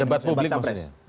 debat publik maksudnya